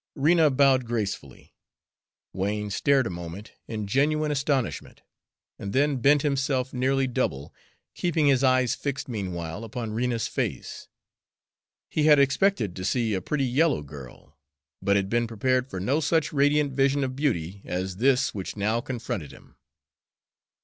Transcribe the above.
Rena bowed gracefully. Wain stared a moment in genuine astonishment, and then bent himself nearly double, keeping his eyes fixed meanwhile upon Rena's face. He had expected to see a pretty yellow girl, but had been prepared for no such radiant vision of beauty as this which now confronted him.